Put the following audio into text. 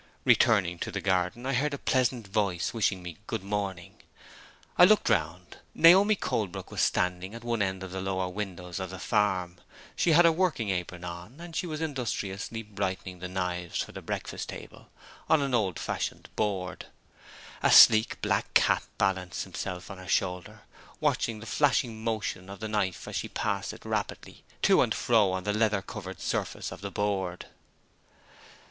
Returning to the garden, I heard a pleasant voice wishing me "Good morning." I looked round. Naomi Colebrook was standing at one of the lower windows of the farm. She had her working apron on, and she was industriously brightening the knives for the breakfast table on an old fashioned board. A sleek black cat balanced himself on her shoulder, watching the flashing motion of the knife as she passed it rapidly to and fro on the leather covered surface of the board.